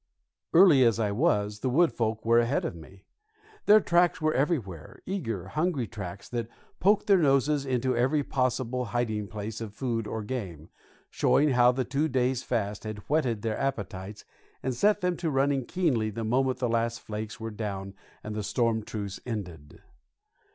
Early as I was, the wood folk were ahead of me. Their tracks were everywhere, eager, hungry tracks, that poked their noses into every possible hiding place of food or game, showing how the two days' fast had whetted their appetites and set them to running keenly the moment the last flakes were down and the storm truce ended.